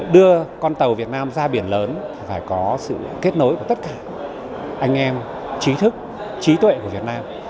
đưa con tàu việt nam ra biển lớn phải có sự kết nối của tất cả anh em trí thức trí tuệ của việt nam